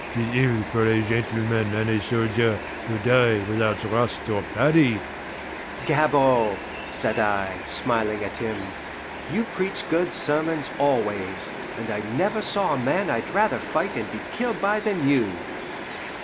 'Tis ill for a gentleman and a soldier to die without thrust or parry." "Gabord," said I, smiling at him, "you preach good sermons always, and I never saw a man I'd rather fight and be killed by than you!"